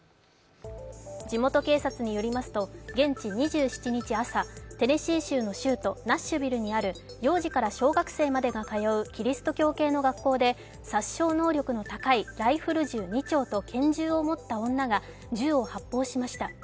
地元警察によりますと現地２７日朝、テネシー州の州都ナッシュビルにある幼児から小学生までが通うキリスト教系の学校で殺傷能力の高いライフル銃２丁と拳銃を持った女が銃を発砲しました。